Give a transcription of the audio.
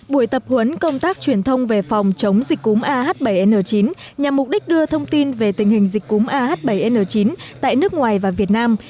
buổi tập huấn công tác truyền thông về phòng chống dịch cúm ah bảy n chín nhằm mục đích đưa thông tin về tình hình dịch cúm ah bảy n chín tại nước ngoài và việt nam